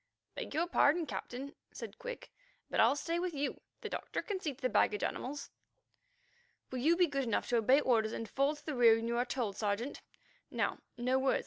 "Beg your pardon, Captain," said Quick, "but I'll stay with you. The doctor can see to the baggage animals." "Will you be good enough to obey orders and fall to the rear when you are told, Sergeant? Now, no words.